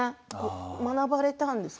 学ばれたんですか？